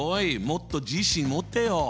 もっと自信持ってよ！